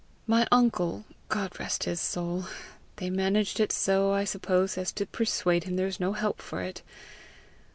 My uncle God rest his soul! they managed it so, I suppose, as to persuade him there was no help for it!